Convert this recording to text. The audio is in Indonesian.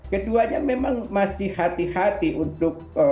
keduanya memang masih hati hati untuk